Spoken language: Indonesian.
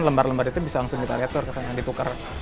lembar lembar itu bisa langsung kita lihat tur ke sana ditukar